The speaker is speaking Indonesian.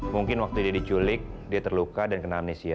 mungkin waktu dia diculik dia terluka dan kena amnesia